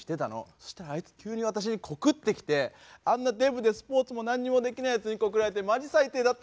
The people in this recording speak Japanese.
そしたらあいつ急に私に告ってきてあんなデブでスポーツも何にもできないやつに告られてマジ最低だったんだけど。